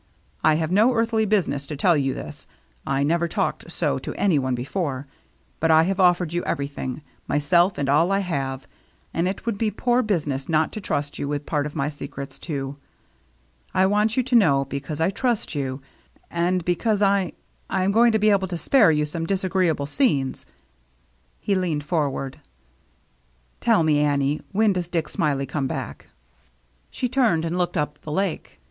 I have no earthly business to tell you this, — I never talked so to any one before, — but I have offered you everything, myself and all I have, and it would be poor business not to trust you with part of my secrets, too. I want you to know, because I trust you; and because I — I'm going to be able to spare you some disagree able scenes." He leaned forward. " Tell me, Annie, when does Dick Smiley come back ?" She turned and looked up the Lake.